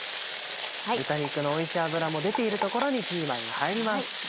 豚肉のおいしい脂も出ているところにピーマンが入ります。